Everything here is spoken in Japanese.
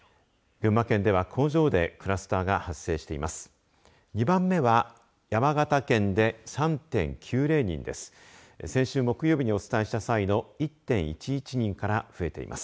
群馬県では工場でクラスターが発生しています。